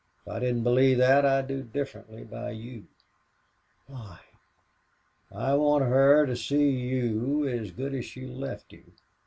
"If I didn't believe that I'd do differently by you." "Why?" "I want her to see you as good as she left you.